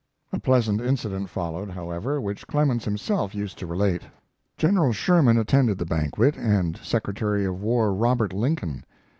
A pleasant incident followed, however, which Clemens himself used to relate. General Sherman attended the banquet, and Secretary of War, Robert Lincoln.